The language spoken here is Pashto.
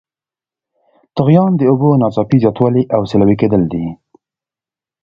طغیان د اوبو ناڅاپي زیاتوالی او سیلابي کیدل دي.